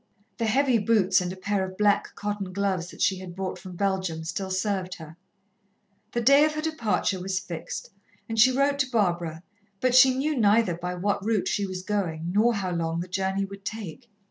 The heavy boots and a pair of black cotton gloves that she had brought from Belgium, still served her. The day of her departure was fixed, and she wrote to Barbara, but she knew neither by what route she was going nor how long the journey would take.